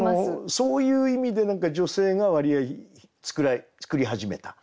そういう意味で女性が割合作り始めた。